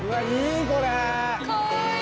かわいい！